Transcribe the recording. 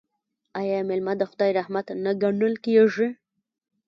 آیا میلمه د خدای رحمت نه ګڼل کیږي؟